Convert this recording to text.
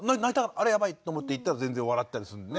あれやばいと思って行ったら全然笑ってたりするのね。